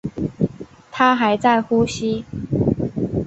她还在呼吸